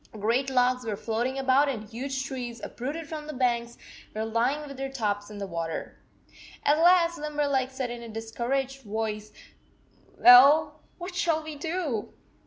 Great logs were floating about and huge trees, uprooted from the banks, were lying with their tops in the water. At last Limberleg said in a discouraged voice, "Well, what shall we do?"